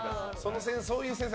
そういう先生